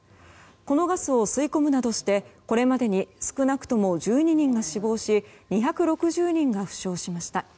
このガスを吸い込むなどしてこれまでに少なくとも１２人が死亡し２６０人が負傷しました。